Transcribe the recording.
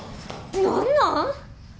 何なん！